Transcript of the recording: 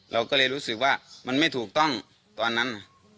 เราก็เลยรู้สึกว่ามันไม่ถูกต้องตอนนั้น